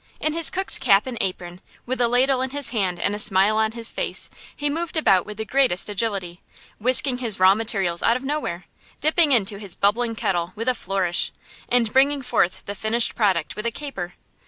In his cook's cap and apron, with a ladle in his hand and a smile on his face, he moved about with the greatest agility, whisking his raw materials out of nowhere, dipping into his bubbling kettle with a flourish, and bringing forth the finished product with a caper.